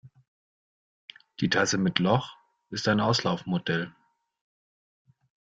Die Tasse mit Loch ist ein Auslaufmodell.